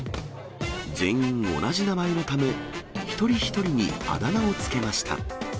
全員同じ名前のため、一人一人にあだ名を付けました。